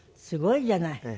すごいじゃない。